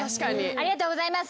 ありがとうございます。